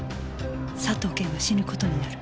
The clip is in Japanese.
「佐藤謙は死ぬことになる」。